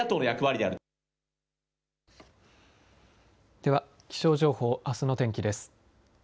では気象情報、あすの天気です。